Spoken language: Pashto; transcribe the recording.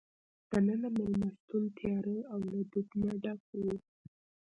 دننه مېلمستون تیاره او له دود نه ډک وو.